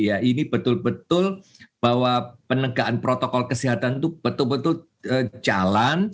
ya ini betul betul bahwa penegakan protokol kesehatan itu betul betul jalan